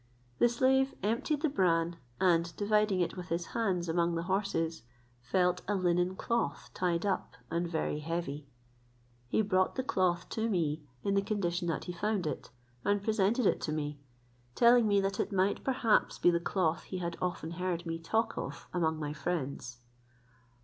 The slave emptied the bran, and dividing it with his hands among the horses, felt a linen cloth tied up, and very heavy; he brought the cloth to me in the condition that he found it, and presented it to me, telling me, that it might perhaps be the cloth he had often heard me talk of among my friends.